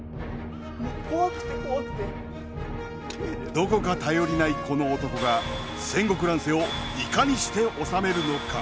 どこか頼りないこの男が戦国乱世をいかにして治めるのか。